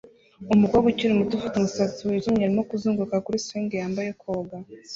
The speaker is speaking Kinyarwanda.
Umukobwa ukiri muto ufite umusatsi wijimye arimo kuzunguruka kuri swing yambaye koga